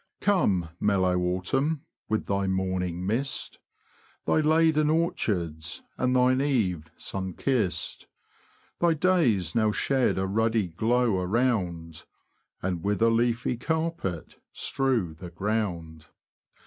Come, mellow autumn, with thy morning mist, Thy laden orchards, and thine eve, sun kissed; Thy days now shed a ruddy glow around. And with a leafy carpet strew the ground.